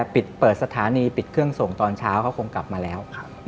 เปิดสถานีปิดเครื่องส่งตอนเช้าเขาคงกลับมาแล้ว